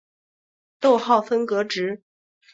逗号分隔值。